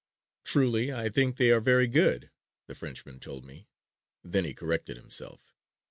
"Truly, I think they are very good," the Frenchman told me. Then he corrected himself.